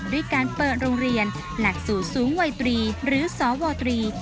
ด้วยการเปิดโรงเรียนหลักสู่สูงวัยตรีหรือสวตรี